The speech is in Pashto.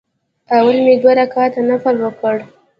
اول مې دوه رکعته نفل وکړ.